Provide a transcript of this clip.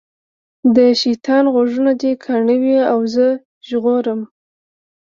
د شیطان غوږونه دي کاڼه وي او زه ژغورم.